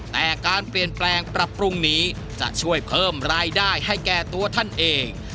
แต่การเปลี่ยนแปลงปรับปรุงนี้จะช่วยเพิ่มรายได้ให้แก่ตัวท่านเอง